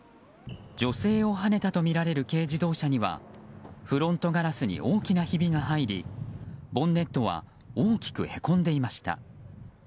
女性をはねたとみられる軽自動車にはフロントガラスに大きなひびが入りボンネットは大きくへこんでいました。